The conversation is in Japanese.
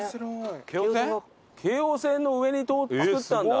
京王線の上に造ったんだ。